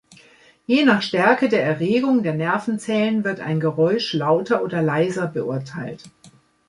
Je nach Stärke der Erregung der Nervenzellen wird ein Geräusch lauter oder leiser beurteilt.